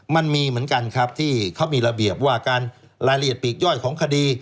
มันมีเหมือนกันครับที่เขามีระเบียบว่าการรายละเอียดปีกย่อยของคดี